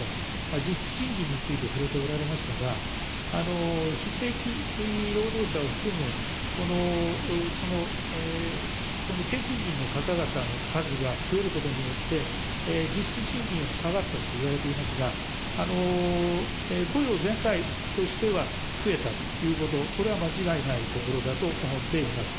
実質賃金について触れておられましたが、非正規労働者を含む低賃金の方々の数が増えることによって、実質賃金は下がったといわれていますが、雇用全体としては増えたということ、これは間違いないところだと思っています。